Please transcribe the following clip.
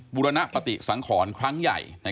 บุรณปฏิสังขรครั้งใหญ่